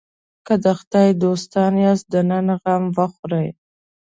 که د خدای دوستان یاست د نن غم وخورئ.